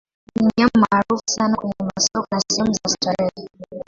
Ni nyama maarufu sana kwenye masoko na sehemu za starehe.